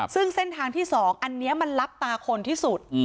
ซึ่งเส้นทางที่๒อันนี้มันลับตาคนที่สุด